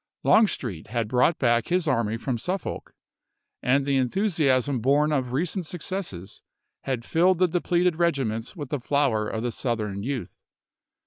Longstreet had brought back his army from Suffolk, and the enthusiasm born of recent successes had filled the depleted regiments with the flower of the Southern youth.